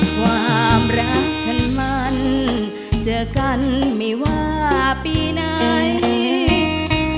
ความรักฉันมันเจอกันไม่ว่าปีไหน